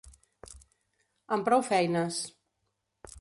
Amb prou feines.